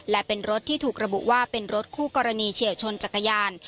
และเป็นรถที่ถูกระบุว่าเป็นรถคู่กรณีเฉียวชนจักรยาน